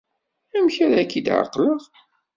Amek ara k-id-εeqleɣ?